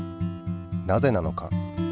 なぜなのか？